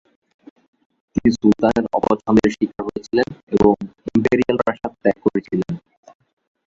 তিনি সুলতানের অপছন্দের শিকার হয়েছিলেন এবং ইম্পেরিয়াল প্রাসাদ ত্যাগ করেছিলেন।